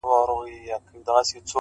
اوس مي د زړه پر تكه سپينه پاڼه؛